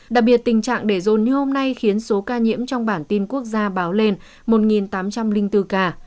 đặc biệt tình trạng để rồn như hôm nay khiến số ca nhiễm trong bản tin quốc gia báo lên một tám trăm linh bốn ca